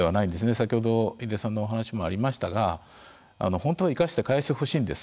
先ほど出井さんの話にもありましたが、本当は生かして返してほしいんです。